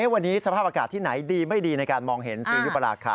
วันนี้สภาพอากาศที่ไหนดีไม่ดีในการมองเห็นศรียุปราคา